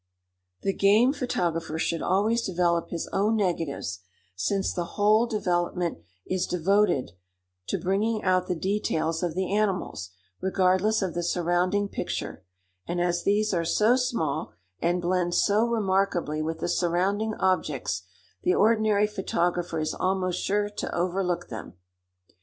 The game photographer should always develop his own negatives, since the whole development is devoted to bringing out the details of the animals, regardless of the surrounding picture; and as these are so small, and blend so remarkably with the surrounding objects, the ordinary photographer is almost sure to overlook them.